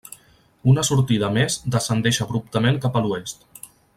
Una sortida més descendeix abruptament cap a l'oest.